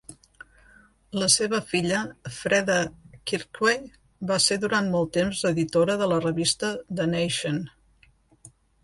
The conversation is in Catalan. La seva filla, Freda Kirchwey, va ser durant molt temps editora de la revista "The Nation".